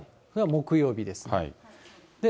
木曜日です。